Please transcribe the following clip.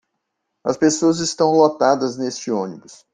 As pessoas estão lotadas neste ônibus.